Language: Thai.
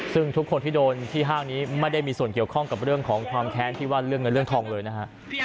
ซึ่งทุกคนที่โดนที่ห้างนี้ไม่ได้มีส่วนเกี่ยวข้องกับเรื่องของความแค้นที่ว่าเรื่องเงินเรื่องทองเลยนะฮะ